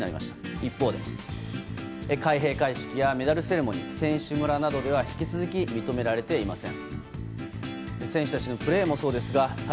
一方、開閉会式やメダルセレモニー選手村などでは引き続き認められていません。